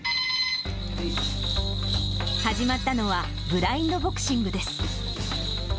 始まったのは、ブラインドボクシングです。